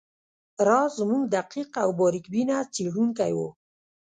راز زموږ دقیق او باریک بینه څیړونکی وو